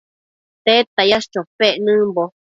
¿Tedta yash chopec nëmbo ?